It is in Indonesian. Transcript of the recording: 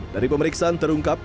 dari pemeriksaan terungkap